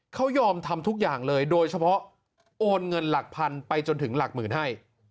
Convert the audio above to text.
เขายอมทำทุกอย่างเลยโดยเฉพาะโอนเงินหลักพันไปจนถึงหลักหมื่นให้